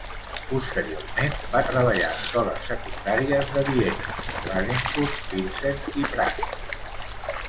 Posteriorment, va treballar a escoles secundàries de Viena, Klagenfurt, Pilsen i Praga.